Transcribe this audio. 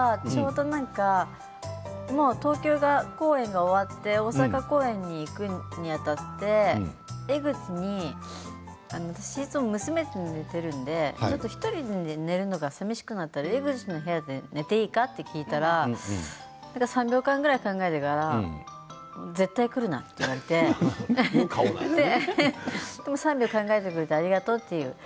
東京公演が終わって大阪公演に行くにあたって江口に、私、いつも娘と寝ているので１人で寝るのがさみしくなったら江口の部屋で寝ていいか？と聞いたら３秒間ぐらい考えてから絶対来るなと言われて３秒考えてくれてありがとうという。